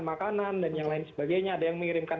makanan dan yang lain sebagainya ada yang mengirimkan